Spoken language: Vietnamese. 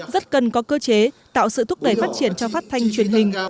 rất cần có cơ chế tạo sự thúc đẩy phát triển cho phát thanh truyền hình